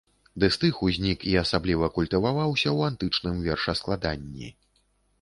Дыстых узнік і асабліва культываваўся ў антычным вершаскладанні.